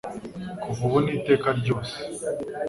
kuva ubu n’iteka ryose